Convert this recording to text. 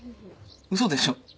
嘘でしょ？